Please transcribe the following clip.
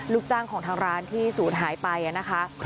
ลูกจ้างของทางร้านที่ศูนย์หายไปนะคะ